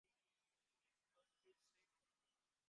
তৃতীয় রোবটের কোনাে কাজকর্ম নেই।